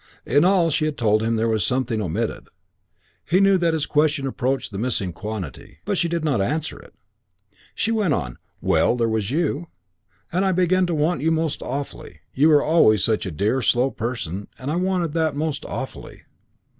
In all she had told him there was something omitted. He knew that his question approached the missing quantity. But she did not answer it. She went on, "Well, there was you. And I began to want you most awfully. You were always such a dear, slow person; and I wanted that most awfully.